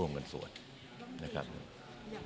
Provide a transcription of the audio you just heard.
อย่างเรื่องของการปิดสถานกันเถินหรือสถานการณ์ในส่วนของวัดหรือวัดดัง